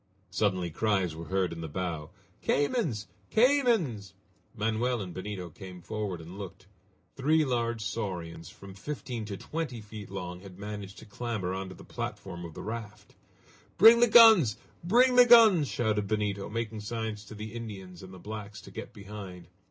Suddenly cries were heard in the bow. "Caymans! caymans!" Manoel and Benito came forward and looked. Three large saurians, from fifteen to twenty feet long, had managed to clamber on to the platform of the raft. "Bring the guns! Bring the guns!" shouted Benito, making signs to the Indians and the blacks to get behind.